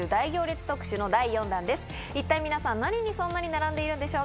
一体皆さん何にそんなに並んでいるんでしょうか？